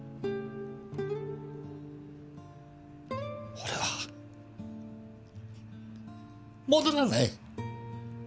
俺は戻らない。